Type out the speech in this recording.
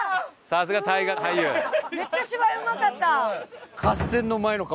めっちゃ芝居うまかった。